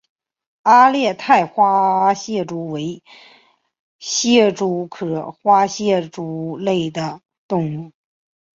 阿勒泰花蟹蛛为蟹蛛科花蟹蛛属的动物。